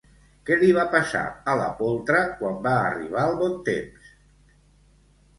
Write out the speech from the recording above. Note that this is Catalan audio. Què li va passar, a la poltra, quan va arribar el bon temps?